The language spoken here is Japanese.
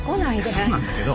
いやそうなんだけど。